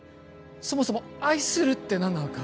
そもそも愛するって何なんだ？